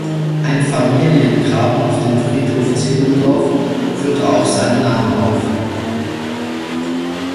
Ein Familiengrab auf dem Friedhof Zehlendorf führt auch seinen Namen auf.